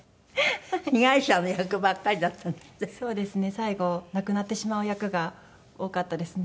最後亡くなってしまう役が多かったですね。